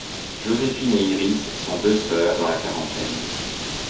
Joséphine et Iris sont deux sœurs dans la quarantaine.